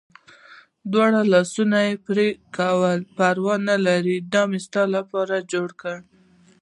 دواړه لاسونه یې و پړکول، پروا نه لرې دا مې ستا لپاره جوړ کړل.